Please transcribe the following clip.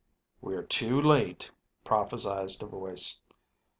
"We're too late," prophesied a voice.